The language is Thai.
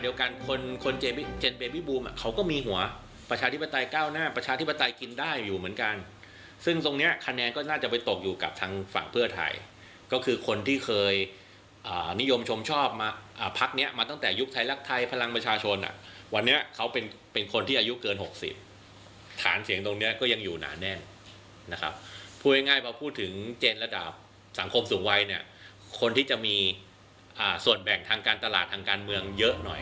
วิทยาลักษณะโรีแจนระดับสังคมสูงวัยคนที่จะมีส่วนแบ่งทางการตลาดทางการเมืองเยอะหน่อย